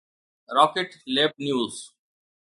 rocket Lab news